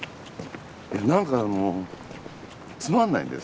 何かあのつまんないんだよ